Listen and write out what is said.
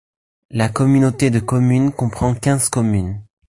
La communauté de communes comprend quinze communes.